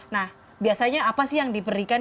nah biasanya apa sih yang diberikan